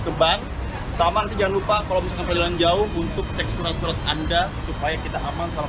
ke bank sama jangan lupa kalau misalkan jauh untuk cek surat surat anda supaya kita aman selama